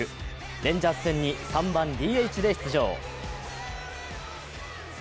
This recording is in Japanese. レンジャーズ戦に３番ＤＨで出場。